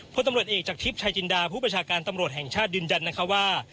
พลตำรวจเอกจากทิพย์ชายจินดาผู้ประชาการตำรวจแห่งชาติยืนยันนะคะว่า